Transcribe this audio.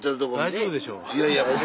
いやいや。